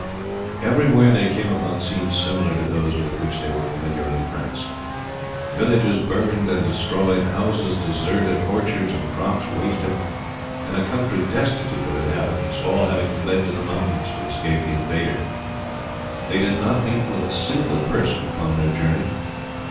Everywhere they came upon scenes similar to those with which they were familiar in France. Villages burned and destroyed, houses deserted, orchards and crops wasted, and a country destitute of inhabitants, all having fled to the mountains to escape the invader. They did not meet with a single person upon their journey.